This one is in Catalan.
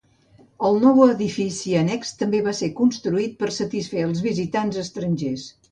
El nou edifici annex també va ser construït per satisfer els visitants estrangers.